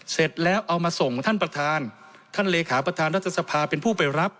เสร็จแล้วเอามาส่งท่านประธานท่านเลขาประธานรัฐสภาเป็นผู้ไปรับ